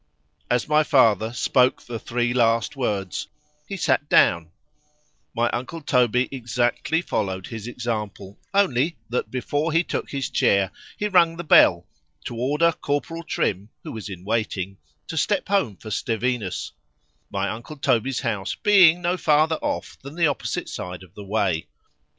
As my father spoke the three last words,——he sat down;—my uncle Toby exactly followed his example, only, that before he took his chair, he rung the bell, to order Corporal Trim, who was in waiting, to step home for Stevinus:—my uncle Toby's house being no farther off than the opposite side of the way.